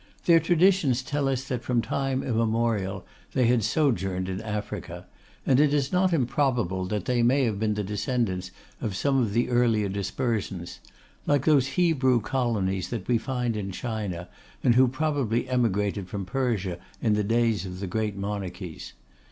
Their traditions tell us that from time immemorial they had sojourned in Africa; and it is not improbable that they may have been the descendants of some of the earlier dispersions; like those Hebrew colonies that we find in China, and who probably emigrated from Persia in the days of the great monarchies.